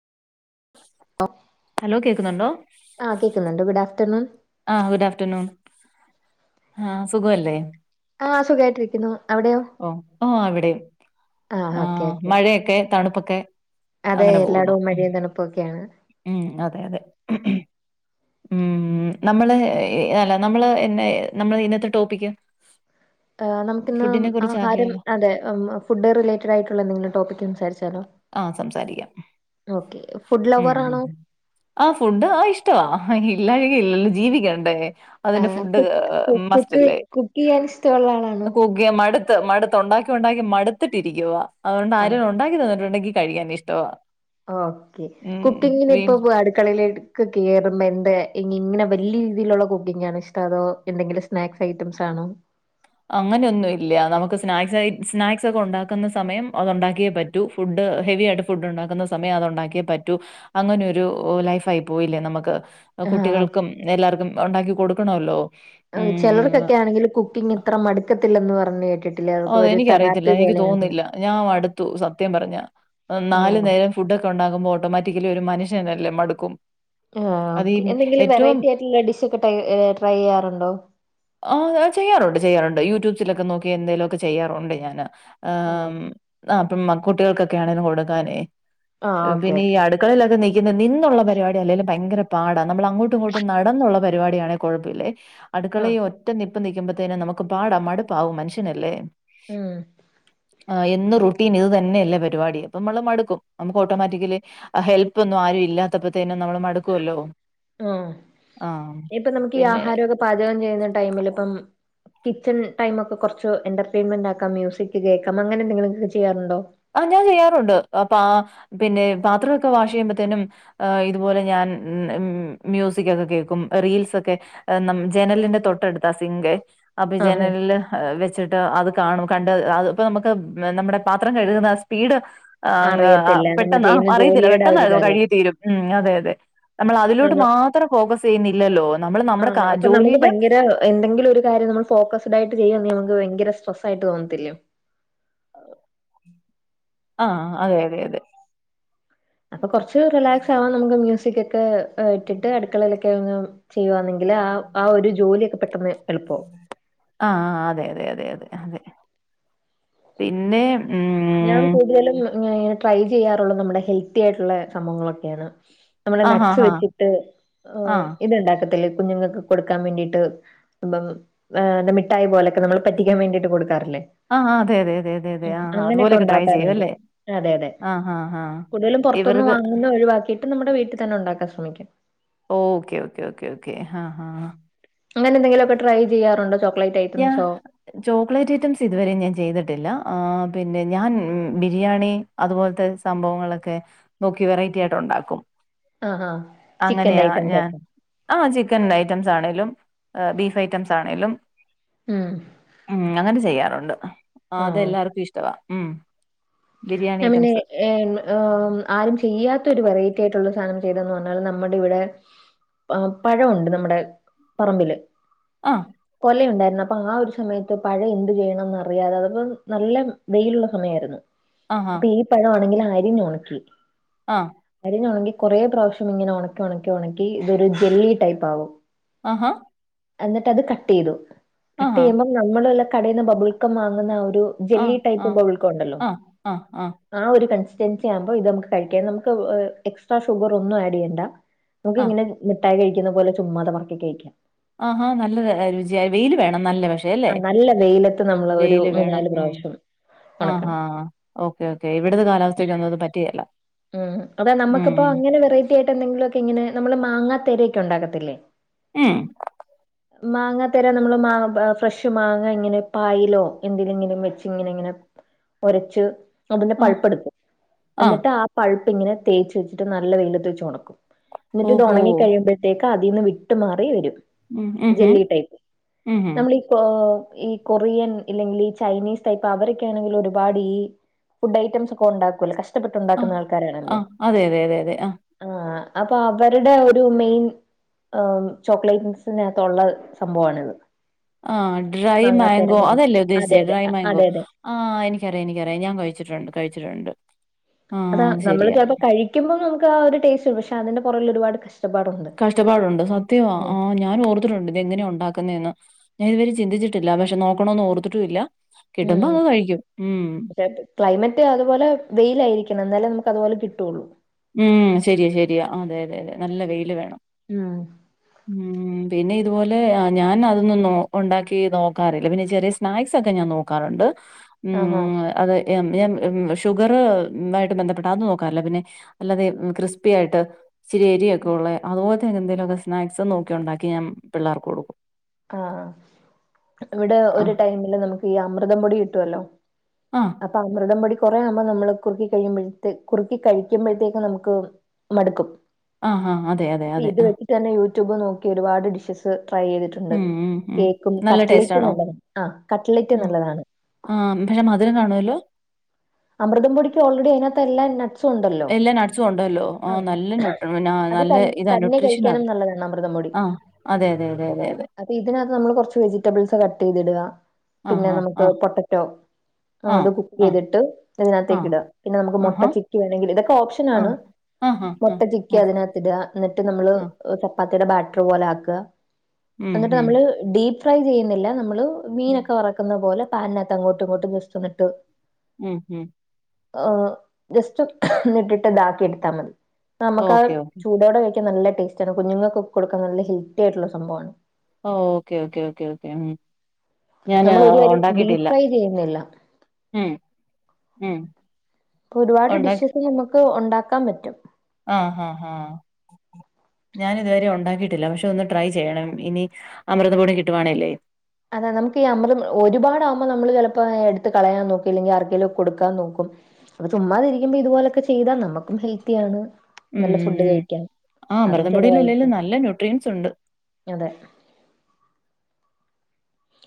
Hello കേക്കുന്നുണ്ടോ ആ കേക്കുന്നുണ്ട് ഗുഡ് ആഫ്റ്റർനൂൺ ആ ഗുഡ് ആഫ്റ്റർനൂൺ ആ സുഖല്ലേ ആ സുഖമായിട്ടിരിക്കുന്നു അവിടെയോ ഓ അവിടെയും ആഹ് ആ ഓക്കെ ഓക്കെ മഴയെക്കെ തണുപ്പൊക്കെ അതെ അങ്ങനെ പോകുന്നു എല്ലായിടവും ഉം മഴയും തണുപ്പൊക്കെയാണ് ഉം അതെ അതെ ഉം ഉം നമ്മള് അല്ല നമ്മള് എന്ന നമ്മള് ഇന്നത്തെ ടോപ്പിക്ക് ആ നമുക്കിന്ന് ഫുഡിനെ ആഹാരം കുറിച്ചാക്കിയാലോ അതെ ഫുഡ് റിലേറ്റഡ് ആയിട്ടുള്ള എന്തെങ്കിലും ടോപ്പിക്ക് സംസാരിച്ചാലോ ആ സംസാരിക്കാം ഓക്കെ ഫുഡ് ഉം ലവർ ഉം ആണോ ഉം ആ ഫുഡ് ആ ഇഷ്ടവാ എല്ലാംകഴി ഇല്ലല്ലോ ജീവിക്കേണ്ടേ? അതിന്റെ ആഹ് ഫുഡ് കുക്ക് മസ്റ്റ് കുക്ക് ല്ലേ കുക്ക് ചെയ്യാൻ ഇഷ്ടമുള്ള ആളാണോ കുകിയ മടു മടുത്ത്. ഉണ്ടാക്കി, ഉണ്ടാക്കി മടുത്തിട്ട് രിക്കുവാ. അതുകൊണ്ട് ആണോ ആരും ഉണ്ടാക്കി തന്നിട്ടുണ്ടെങ്കി കഴിക്കാൻ ഇഷ്ട വാ. ഓക്കെ കുക്കിങ്ങിന് ഇപ്പൊ അടുക്കളയിലേക്ക് കേറുമ്പോ എന്താ ഇങ്ങനെ വലിയ രീതിയിലുള്ള കുക്കിംഗ് ആണോ ഇഷ്ടം, അതോ എന്തെങ്കിലും സ്നാക്സ് ഐറ്റംസ് ആണോ. അങ്ങനെന്നും ഇല്ല. നമുക്ക് സ്നാക്സ് ഐസ് ' സ്നാക്സ് ഒക്കെ ഉണ്ടാക്കുന്ന സമയം അത് ഉണ്ടാക്കിയേ പറ്റൂ. ഫുഡ് അത് ഹെവി ആായിട്ട് ഫുഡ് ഉണ്ടാക്കുന്ന സമയം അതു ഉണ്ടാക്കിയേ പറ്റൂ. അങ്ങനെയൊരു ലൈഫ് ആയി പോയില്ലേ നമുക്ക്. ആഹ് കുട്ടികൾക്കും എല്ലാർക്കും ഉണ്ടാക്കി കൊടുക്കണല്ലോ. ചിലർക്കൊക്കെ ആണെങ്കിലും കുക്കിംഗ് ഇത്ര മടുക്കത്തില്ലന്ന് പറഞ്ഞ് കേട്ടി ഓ എനിക്കറിയത്തില്ല. എനിക്ക് തോന്നില്ല ഞാൻ മടുത്തു. സത്യം പറഞ്ഞ നാല് ആണോ നേരം ഫുഡ് ക്കെ ഉണ്ടാകുമ്പോ ഓട്ടോമാറ്റിക്കിലി ഒരു മനുഷനല്ലേ മടക്കും. ആ ഓക്കേ എന്തെങ്കിലും വെറൈറ്റി ആയിട്ടുള്ള ഡിഷ് ഒക്കെ ടൈ ട്രൈയ്യ യ്യാറുണ്ടോ. ആ ചെയ്യാറുണ്ട്, ചെയ്യാറുണ്ട് യൂട്യൂബ് ലൊക്കെ നോക്കി എന്തെലും ഒക്കെ ചെയ്യാറുണ്ട്. 'ഞന് ആഹ് മ് മക്കുട്ടികൾക്കൊക്കെയണെങ്കിലും. കൊടുക്കാനെ ആഹ് ഓക്കെ പിന്നെ ഈ ഓക്കെ അടുക്കളയിലൊക്കെ നിക്ക് നിന്നുള്ള പരിപാടി അല്ലേലും ഭയങ്കര പാടാ. നമ്മൾ അങ്ങോട്ടും, ഇങ്ങോട്ടും നടന്നുള്ള പരിപാടിയാണേ കുഴപ്പല്യ ആഹ് അടുക്കളയി ഒറ്റ നിപ്പ് നിൽക്കുമ്പോത്തേന് നമുക്ക് പാട മടുപ്പാവും മനുഷ്യനല്ലേ ഉം [unintelligible] ആ എന്നും റുട്ടീൻ ഇത് തന്നെയല്ലേ പരിപാടി അപ്പ നമ്മള് മടുക്കും നമുക്ക് ഓട്ടോമാറ്റിക്കലി ഹെൽപ്പ്ന്നും ആരും ഇല്ലാത്തപ്പോതേന് നമ്മള് മടുക്കുല്ലോ. ആ ഇപ്പം നമുക്ക് ഈ ആഹാരക്കെ പാചകം ചെയ്യുന്ന ടൈമില് ഇപ്പം കിച്ചൺ ടൈം ഒക്കെ കുറച്ച് എന്റർടൈയിൻമെന്റ് ആക്കാം. മ്യൂസിക് കേക്കാം അങ്ങനെന്തെിലുംക്കെ ചെയ്യാറുണ്ടോ. ആ ഞാൻ ചെയ്യാറുണ്ട്. അപ്പാ ആ പിന്നെ പാത്രമൊക്കെ വാഷ് ചെയ്യുമ്പത്തനും. ഇതുപോലെ ഞാൻ ഉം മ്യൂസിക്കൊക്കെ കേക്കും. റീൽസ് ഒക്കെ. നമ് ജനലിന്റെ തൊട്ടടുത്താ സിംഗ്. അഭി ആഹ് ജനലിൽ വെച്ചിട്ട് അത് കാണും. കണ്ട് അത് ഇപ്പ നമുക്ക് നമ്മുടെ പാത്ര കഴുകുന്ന സ്പീഡ് ആ അങ് അറിയത്തില്ല നമ്മൾ പെട്ടെന്ന് അ ചെയ്യുന്ന അറിയത്തില്ല ജോലിയുടെ ആ പെട്ടെന്ന് ഒരു ഇത് കഴി അറിയാം കിത്തീരും ഉം അതെ അതെ. നമ്മൾ അതിലോട്ട് മാത്രം ഫോക്കസ് ചെയ്യുന്നില്ലല്ലോ നമ്മള് നമ്മുടെ ആഹ് കാ ജോലിയില് നമൾ ഫോകസ്ഡ് ആയിട്ട് ചെയ്യന്ന നമക്ക് ഭയര സ്ട്രെസ് ആയിട്ട് തോന്നത്തില്ലയോ. ആ അതെ അതെ അതെ അപ്പ കുറച്ച് റിലാക്സ് ആവാൻ നമുക്ക് മ്യൂസിിക്ക ഒക്കെ ഇട്ടിട്ട് അടുക്കളയിലൊക്കെ ക്കെ ഒന്നു ചെയ്യുവാന്നെങ്കില് ആ ആ ഒരു ജോലിയൊക്കെ പെട്ടെന്ന് എളുപ്പവും. ആ അതെ അതെ അതെ അതെ പിന്നെ ഞാൻ ഉം കൂടുതലും ഇങ്ങനെ ട്രൈ ചെയ്യാറുള്ളു നമ്മുടെ ഹെൽത്തി ആയിട്ടുള്ള സംഭവങ്ങളൊക്കെയാണ്. നമ്മടെ ആഹ് നട്ട്സ് ആഹ് ആഹ് വെച്ചിട്ട് ആഹ് ഇത്ണ്ടാക്കത്തില്ലേ. കുഞ്ഞുങ്ങൾക്ക് കൊടുക്കാൻ വേണ്ടിട്ട്, ബ ബാ മിഠായി പോലൊക്കെ നമ്മള് പറ്റിക്കാൻ വേണ്ടിട്ട് കൊടുക്ക ആ അതെ അതെ അതെ അതെ ആ അ ങ്ങനക്കെ ണ്ടാക്കാറുണ്ട്. അതെ അതെ ആ, ആ. കൂടുതലും പുറത്തു ന്നു ഇവർക്ക് വാങ്ങുന്നത് ഒഴിവാക്കി എന്നിട്ട് നമ്മുടെ വീട്ടിൽ തന്നെ ഉണ്ടാക്കാൻ ശ്രമിക്കും. ഓക്കെ ഓക്കേ ഓക്കെ ഹഹ ഹ അങ്ങനെന്തെങ്കിലും ക്കെ ട്രൈ ചെയ്യാറുണ്ടോ. ചോക്ലേ ഞാ ചോക്ലേറ്റ് ഐറ്റംസ് ഇതുവരെ ഞാൻ ചെയ്തിട്ടില്ല. ആ പിന്നെ ഞാൻ ബിരിയാണി അതുപോലത്തെ സംഭവങ്ങളൊക്കെ നോക്കി വെറൈറ്റി ആയിട്ട് ഉണ്ടാക്കും. ആ ആ അങ്ങനെയാ ഞാൻ ആ ചിക്കൻ ഐറ്റംസ് ആണെലും, ബീഫ് ഐറ്റംസ് ആണേലും. ഉം ഉ അങ്ങനെ ചെയ്യാറുണ്ട്. ആഹ് അതെല്ലാർക്കും ഇഷ്ടവാ. ഉം ബിരിയാണി ഞാൻ പിന്നെ ഐറ്റംസ്. എ അ ആരും ചെയ്യാത്ത ഒരു വെറൈറ്റി ആയിട്ടുള്ള സാധനം. ചെയ്തന്ന് പറഞ്ഞാലും നമ്മുടെ ഇവിടെ പഴം ഉണ്ട് നമ്മുടെ പറമ്പില്. അ ഉണ്ടായിരുന്നു അപ്പൊ ആ ഒരു സമയത്ത് പഴം എന്ത് ചെയ്യണംന്ന് അറിയാതെ അതപ്പോ നല്ല വെയിലുള്ള സമയാരുന്നു ആ, ആ, അപ്പൊ ഈ പഴം ആണെങ്കിൽ അരിഞ്ഞ ഉണക്കി ആ. അരിഞ്ഞ ഉണക്കി കൊറെപ്രാവശ്യം ഇങ്ങനെ ഉണക്കി ഉണക്കി ഉണക്കി ഇതൊരു ജെല്ലി ടൈപ്പ് ആകും ആ ഹാ എന്നിട്ട് അത് കട്ട് യ്തു കട്ട് യ്യുമ്മ നമ്മള എല്ലാം കടയിുന്ന ബബുൾക്കം വാങ്ങുന്ന ഒരു ആ, ജെല്ലി ആ, ടൈപ്പ് ബബെൽക്കണ്ടല്ലോ ആ, ആ ആ കൺസിസ്റ്റൻസി ആകുമ്പോ ഇതമ്മക്ക് കഴിക്കാം നമ്മക്ക് എക്സ്ട്രാ ഷുഗർ ഒന്നും ആഡ് ചെയ്യണ്ട നമുക്ക് ആ. ഇങ്ങനെ മിട്ടായി കഴിക്കുന്ന പോലെ ചുമ്മാതെ പറക്കി കഴിക്കാം ആഹാ നല്ല രുചിയ വെയില് വേണം നല്ലണം ആ നല്ല വെയിലത്ത് നമ്മള് ഒരു മൂന്നാല് പ്രാവശ്യം ആ ഉണക്കണം ആ ഓക്കേ ഓക്കേ ഇവിടത്തെ കാലാവസ്ഥക്ക് ഒന്നും പറ്റികേല്ല ഉം അത നമ്മക്കിപ്പോ അങ്ങനെ വെറൈറ്റി ആയിട്ട്ന്തെങ്കിലുക്കെ ഇങ്ങനെ നമ്മള് മാങ്ങ തര ഉണ്ടാക്കത്തില്ലേ ഉം മാങ്ങ തരാ നമ്മള് മാ ഫ്രഷ് മാങ്ങ ഇങ്ങനെ പായിലോ എന്ത്ലെങ്കിലും വെച്ച് ഇങ്ങനെങ്ങനെ ഒരച്ച് അതിന്റെ ആഹ് പഴുപ്പ് എടുക്കും ആഹ് എന്നിട്ട് ആ പഴുപ്പ് ഇങ്ങനെ തേച്ച് വെച്ചിട്ട് നല്ല വെയിലത്ത് വച്ച് ഉണക്കും എന്നിട്ട് ഓഹോ ഒണങ്ങി കഴിയുമ്പോഴത്തേക്ക് അതിൽന്ന് വിട്ടു മാറി വരും ഉം ഉംഹ് ജെല്ലി ടൈപ്പ് ഉംഹ് നമ്മളീ ഓ ഈ കൊറിയൻ ഇല്ലെങ്കിൽ ഈ ചൈനീസ് ടൈപ്പ് അവരൊക്കെ ആണെങ്കിൽ ഒരുപാട് ഈ ഫുഡ് ഐറ്റംസ് ഒക്ക ഉണ്ടകൂലേ കഷ്ടപെട്ടുണ്ടാക്കുന്ന ആൾ ആ അതെ അതെ അതെ അതെ ആ ആ അപ്പൊ അവരുടെ ഒരു മെയിൻ ചോക്ലേറ്റ്സിനകത്ത ഉള്ള സംഭവമാണിത് ആ ഡ്രൈ മാംഗോ പറയും. അതല്ലേ അതെ ഉദ്ദേശിച്ചത് അതെ ഡ്രൈ അ- മാംഗോ അതെ അതെ ആ എനിക്കറിയാം എനിക്കറിയാം ഞാൻ കഴി കഴിചിട്ടുണ്ട് കഴിച്ചിട്ടുണ്ട് അതാ ആഹ് അത് നമ്മള് ശരിയാ ചലപ്പോ കഴിക്കുമ്പോ നമുക്ക് ഒരു ടേസ്റ്റ് ഉണ്ട് പക്ഷെ അതിന്റെ പുറകിൽ ഒരുപാട് കഷ്ടപ്പാടുണ്ട്. കഷ്ടപ്പാടുണ്ട് സത്യമാ ഉം ആഞാൻ ഓർത്തിട്ടുണ്ട് ഇതെങ്ങനെയ ഉണ്ടാക്കുന്നന്ന് ഞാൻ ഇതുവരെ ചിന്തിച്ചിട്ടില്ല പക്ഷ നോക്കണെന്ന് ഓർത്തിട്ടുല്ല ഉം പക്ഷെ ക്ലൈമറ്റ് അതുപോലെ വെയിലായിരിക്കണം എന്നാലേ നമുക്ക് അതുപോലെ കിട്ടുള്ളൂ ഉം ശരിയ ശരിയാ അതെ അതെ അതെ നല്ല വെയില് വേണം ഉം ഉം പിന്നെ ഇതുപോലെ ഞാൻ അതൊന്നും ഉണ്ടാക്കി നോക്കാറില്ല പിന്നെ ചെറിയ സ്നാക്സ് ഒക്കെ ഞാൻ നോക്കാറുണ്ട് ഉം ആഹാ അത് ഞാൻ ഷുഗർ ആയിട്ട് ബന്ധപ്പെട്ട അന്നും നോക്കാറില്ല പിന്നെ അല്ലാതെ ക്രിസ്പിയായിട്ട് ഇചിരി എരി ഒക്കെ ഉള്ള അതുപോല എന്തങ്കിലൊക്കെ സ്നാസ് നോക്കി ഉണ്ടാക്കി ഞാൻ പിള്ളേർക്ക് കൊടുക്കും ആ ഇവിടെ ഒരു ആഹ്, ടൈമില് നമുക്ക് ഈ അമൃതം പൊടി കിട്ടുവല്ലോ ആഹ്, അപ്പൊ അമൃതം പൊടി കുറേ നുമ്പോ നമ്മള് കുറുക്കി കഴിയുമ്പോഴത് കുറുക്കി കഴിക്കുമ്പോഴത്തേക്ക് നമുക്ക് മടുക്കും ആആ അതെ അതെ അതെ ആ യൂടൂബ് നോക്കി ഒരുപാട് ഡിഷസ് ട്രൈ ട്ടിണ്ട് ഉം, ഉം, ഉം. കേക്കും നല്ല ടേസ്റ്റ് കട്ലറ്റ് ആണോ? നല്ലതാണ്ആ കറ്റ്ലൈറ്റ് നല്ലതാണ് ആ ന്തേ മധുരം കാണുവല്ലോ അമൃതംപൊടിക്ക് ഓൾറെഡി അതിനകത്ത് എല്ലാം എല്ലാ നട്സും ഉണ്ടല്ലോ ആ നല്ല നുട്ട് ആ അത് ത നല്ല ഇതാ തന്നെ ന്യൂട്രിഷനാ അത് കഴിക്കാനും നല്ലതാണ് ആ അതെ അതെ അതെ അതെ അതെ അപ്പ ഇതിനകത്ത് നമ്മ കുറച്ച് വെജിറ്റബിൾസ് കട്ട് ചെയ്തിട പിന്നെ ആഹ് നമുക്ക് ആഹ് പൊട്ടറ്റോ അത് ആഹ് കുക്ക് ആഹ് ചെയ്തിട്ട് ഇതിനകത്തേക്ക ആഹ് ഇടുക പിന്നെ നമുക്ക് മുട്ട ആഹ് ആഹാ ചിക്ക വേണമെങ്കിൽ ഇതൊക്കെ ഓപ്ഷൻ ആണ് ആഹ് ആഹാ മൊട്ട, ആഹ് ചിക്കി ആഹ് അതിനകത്തിടുക, എന്നിട്ട്, നമ്മള്, ആഹ് ചപ്പാത്തി ബാറ്റർ, പോലെ, ആക്ക, ഉം എന്നിട്ട്, ഉം നമ്മള്, ഡീപ്പ്, ഫ്രൈ, ചെയ്യുന്നില്ല, നമ്മള് മീനൊക്കെ വറക്കുന്ന പോലെ പാനിനകത്ത് അങ്ങോട്ടും ഇങ്ങോട്ടും വന്നിട്ട് ഉം ഹം അ, ജസ്റ്റ്, എന്നിട്ടിട്ട്, ഇതാക്കി, എടുത്താ, മതി, നമുക്ക്, ആ, ഓക്കെ ഓക്കെ ചൂടോടെ നല്ല, ടേസ്റ്റ് ആണ്. കുഞ്ഞുങ്ങൾക്ക്ക്കൊടുക്കാൻ, നല്ല, ഹെൽത്തി, ആയിട്ടുള്ള, സംഭവമാണ്. ഓ, ഓക്കേ, ഓക്കേ, ഓക്കേ, ഓക്കേ, ഉം. ഞാൻ, നമ്മൾ ഒരു കാര്യം ഡീപ് ഉണ്ടാക്കിട്ടില്ല, ഫ്രൈ ചെയ്യുന്നില്ല ഉം, ഉം. പ്പൊ, ഒരുപാട്, ഉണ്ടാക്കി ഡിഷസ്, നമുക്ക്, ഉണ്ടാക്കാൻ, പറ്റും. ആഹ്, ആഹ്, ആഹ്. ഞാനി ഇതുവരെ, ഉണ്ടാക്കിട്ടില്ല, പക്ഷെ, ഒന്ന് ട്രൈ, ചെയ്യണം, ഇനി, അമൃതപൊടി, കിട്ടുവാണല്ലേ. അതാ, നമുക്ക്, ഈ, അമ്മലം, ഒരുപാട്, അമ്മ നമ്മള്, ചിലപ്പോ എടുത്ത്, കളയാൻ, നോക്കും, ഇല്ലെങ്കി, ആർക്കെിലും, കൊടുക്കാൻ, നോക്കും. അത്, ചുമ്മാതിരിക്കുമ്പ, ഇതുപോലൊക്കെ, ചെയ്താ, നമ്മുക്കും, ഹെൽത്തിയാണ്. ഉം നല്ല, ഫുഡ് ഉം കഴിക്കാൻ, ആഹ് അതും, അമൃതം പൊടിയിൽ ചെലവായിട്ട് അല്ലേലും നല്ല ന്യൂട്രിയൻസ് ഉണ്ട് അതെ.